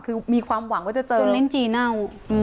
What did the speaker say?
คือมีความหวังว่าจะเจอจนเล่นจีนเน่า